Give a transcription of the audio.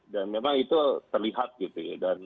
dan memang itu terlihat gitu ya